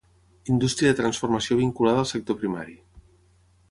Indústria de transformació vinculada al sector primari.